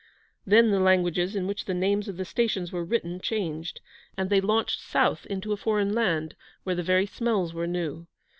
Then the languages in which the names of the stations were written changed, and they launched south into a foreign land, where the very smells were new.